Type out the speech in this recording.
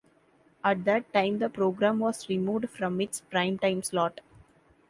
At that time the program was removed from its prime-time slot.